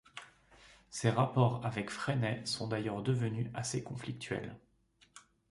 Ses rapports avec Freinet sont d'ailleurs devenus assez conflictuels.